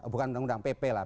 bukan undang undang pp lah